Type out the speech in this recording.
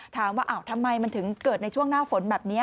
ถามว่าทำไมมันถึงเกิดในช่วงหน้าฝนแบบนี้